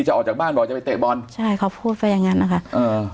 จะออกจากบ้านบอกจะไปเตะบอลใช่เขาพูดไปอย่างงั้นนะคะเออ